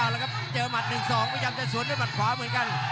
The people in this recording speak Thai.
แล้วครับเจอหมัด๑๒พยายามจะสวนด้วยหมัดขวาเหมือนกัน